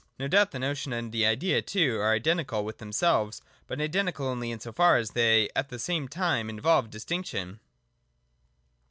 No doubt the notion, and the idea too, are iden tical with themselves : but identical only in so far as they at the same time involve distinction.